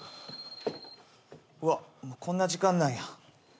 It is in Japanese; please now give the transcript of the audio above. うわっもうこんな時間なんや。